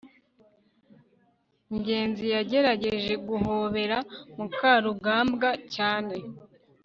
ngenzi yagerageje guhobera mukarugambwa cyane